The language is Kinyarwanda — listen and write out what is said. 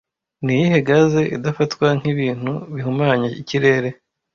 Niyihe gaze idafatwa nkibintu bihumanya ikirere